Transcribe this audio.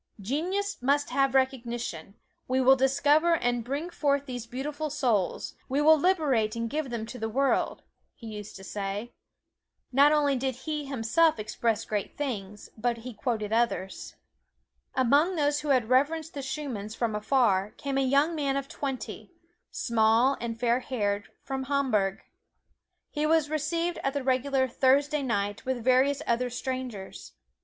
"Genius must have recognition we will discover and bring forth these beautiful souls; we will liberate and give them to the world," he used to say. Not only did he himself express great things, but he quoted others. Among those who had reverenced the Schumanns from afar, came a young man of twenty, small and fair haired, from Hamburg. He was received at the regular "Thursday Night" with various other strangers.